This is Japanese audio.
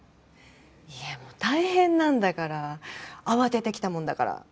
家も大変なんだから、慌てて来たもんだから。